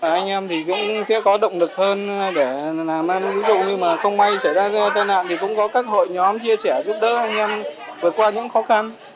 anh em thì cũng sẽ có động lực hơn để làm ăn ví dụ như không may xảy ra tai nạn thì cũng có các hội nhóm chia sẻ giúp đỡ anh em vượt qua những khó khăn